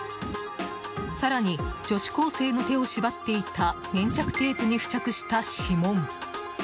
更に、女子高生の手を縛っていた粘着テープに付着した指紋。